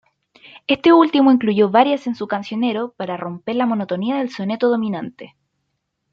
Este último incluyó varias en su "Cancionero" para romper la monotonía del soneto dominante.